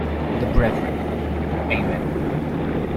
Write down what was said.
The Brethren: Amen.